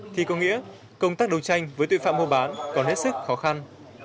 thì có nghĩa công tác đấu tranh với tội phạm mua bán còn hết sức khó khăn